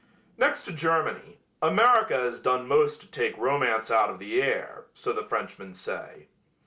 Next to Germany, America has done most to take romance out of the air, so the Frenchmen say.